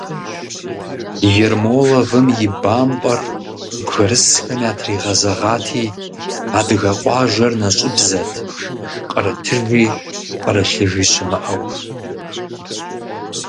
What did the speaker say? Ермоловым и бампӀэр бгырысхэм ятригъэзэгъати, адыгэ къуажэр нэщӀыбзэт, пкърытыжи пкърылъыжи щымыӀэу…